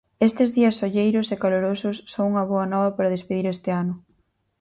Estes días solleiros e calorosos son unha boa nova para despedir este ano.